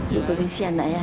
dukung insya allah ya